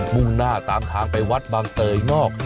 มุ่งหน้าตามทางไปวัดบางเตยนอก